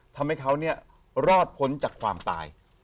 ทำให้เขาเนี่ยรอดพ้นจากความตาย